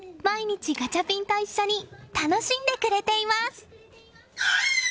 毎日ガチャピンと一緒に楽しんでくれています！